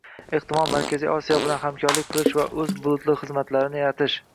ehtimol, Markaziy Osiyo bilan hamkorlik qilish va oʻz bulutli xizmatlarini yaratish yoki